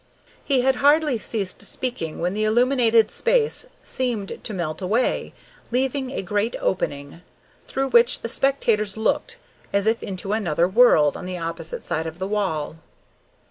He had hardly ceased speaking when the illuminated space seemed to melt away, leaving a great opening, through which the spectators looked as if into another world on the opposite side of the wall.